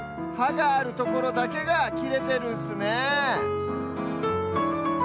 があるところだけがきれてるんすねえ